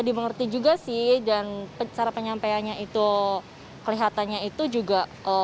dimengerti juga sih dan cara penyampaiannya itu kelihatannya itu juga